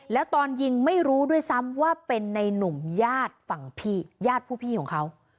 แล้วตอนยิงไม่รู้ด้วยซ้ำว่าเป็นในหนุ่มญาติฝั่งพี่ญาติผู้พี่ของเขา